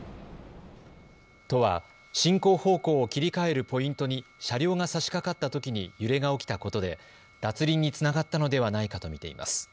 都は進行方向を切り替えるポイントに車両がさしかかったときに揺れが起きたことで脱輪につながったのではないかと見ています。